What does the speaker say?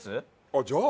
あっじゃあ。